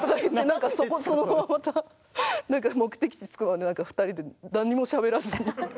なんかそのまままた目的地着くまで２人で何にもしゃべらずに。